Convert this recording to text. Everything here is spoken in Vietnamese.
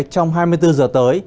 trong hai mươi bốn giờ tới